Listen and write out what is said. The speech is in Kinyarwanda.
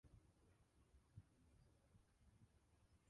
Umukinnyi atangiza umupira imbere mugihe nyirubwite agenzura intoki